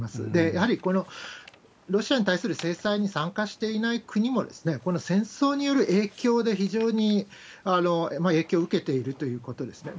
やはりこのロシアに対する制裁に参加していない国も、この戦争による影響で非常に、影響を受けているということですね。